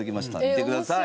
見てください。